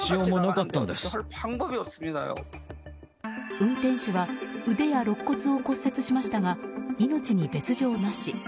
運転手は、腕やろっ骨を骨折しましたが命に別条なし。